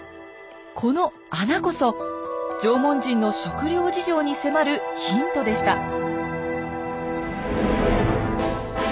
この穴こそ縄文人の食料事情に迫るヒントでした。